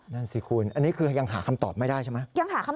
นั่นสิคุณอันนี้คือยังหาคำตอบไม่ได้ใช่ไหม